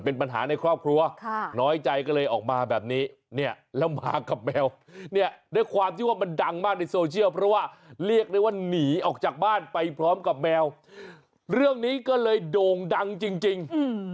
เอ้าก็คุณโชว์ขนาดนี้เขาก็ต้องดูหน่อย